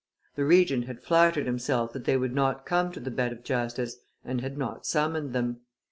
The Regent had flattered himself that they would not come to the bed of justice, and had not summoned them.